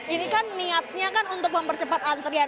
ini kan niatnya kan untuk mempercepat answer ya